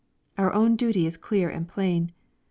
Our own duty is clear and plain.